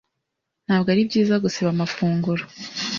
Ntabwo ari byiza gusiba amafunguro.